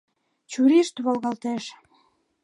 Чурийышт волгалтеш.